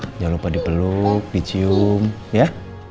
jangan lupa dipeluk dicium ya